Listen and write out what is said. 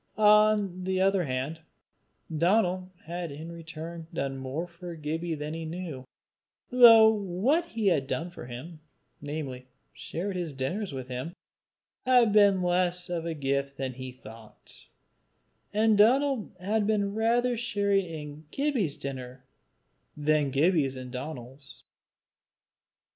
On the other hand, Donal had in return done more for Gibbie than he knew, though what he had done for him, namely, shared his dinners with him, had been less of a gift than he thought, and Donal had rather been sharing in Gibbie's dinner, than Gibbie in Donal's.